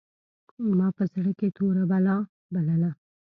ما په زړه کښې توره بلا بلله.